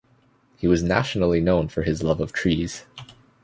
He was nationally known for his love of trees.